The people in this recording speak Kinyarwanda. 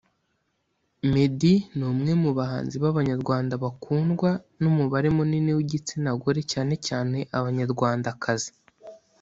Meddy ni umwe mu bahanzi b’abanyarwanda bakundwa n’umubare munini w’igitsinagore cyane cyane Abanyarwandakazi